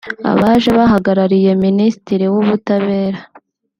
Abaje bahagarariye Minisitiri w’ubutabera